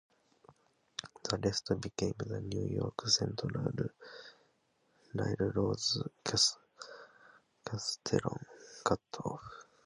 The rest became the New York Central Railroad's Castleton Cut-Off.